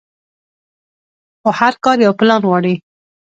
خو هر کار يو پلان غواړي.